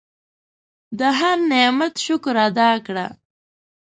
د هر نعمت شکر ادا کړه.